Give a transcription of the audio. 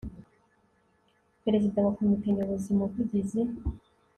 perezida wa komite nyobozi muvugizi